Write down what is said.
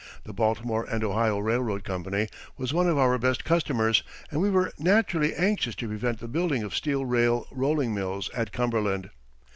The Baltimore and Ohio Railroad Company was one of our best customers, and we were naturally anxious to prevent the building of steel rail rolling mills at Cumberland.